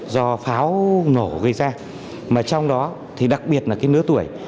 do pháo nổ gây ra mà trong đó thì đặc biệt là cái lứa tuổi